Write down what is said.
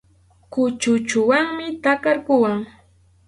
Kuchuchunwanmi takarquwan.